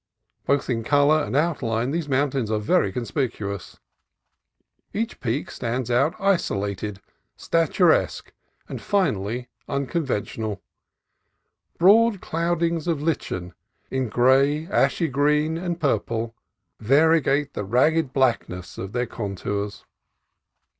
Both in color and outline these mountains are very conspicuous. Each peak stands out isolated, statuesque, and finely unconventional. Broad cloudings of lichen, in gray, ashy green, and purple, variegate the ragged blackness of their con tours.